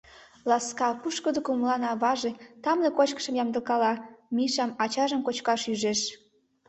Ласка, пушкыдо кумылан аваже тамле кочкышым ямдылкала, Мишам, ачажым кочкаш ӱжеш.